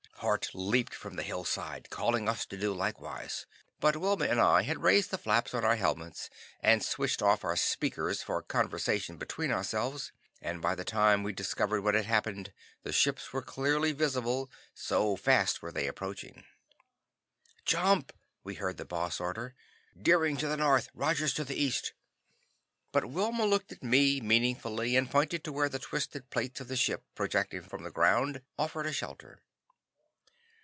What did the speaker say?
Hart leaped for the hillside, calling to us to do likewise, but Wilma and I had raised the flaps of our helmets and switched off our "speakers" for conversation between ourselves, and by the time we discovered what had happened, the ships were clearly visible, so fast were they approaching. "Jump!" we heard the Boss order, "Deering to the north. Rogers to the east." But Wilma looked at me meaningly and pointed to where the twisted plates of the ship, projecting from the ground, offered a shelter.